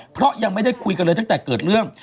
เพราะยังไม่ได้คุยกันเลยตั้งแต่เกิดเรื่อง